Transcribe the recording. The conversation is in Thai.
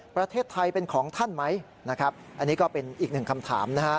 ประเทศไทยเป็นของท่านไหมอันนี้ก็เป็นอีกหนึ่งคำถาม